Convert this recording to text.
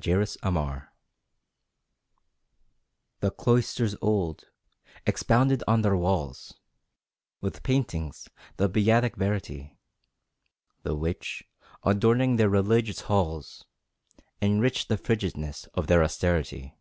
The Evil Monk The cloisters old, expounded on their walls With paintings, the Beatic Verity, The which adorning their religious halls, Enriched the frigidness of their Austerity.